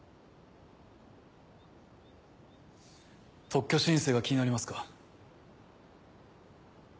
特許申請が気になりますか。